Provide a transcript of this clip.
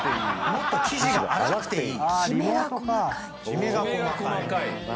「もっと生地が粗くていい」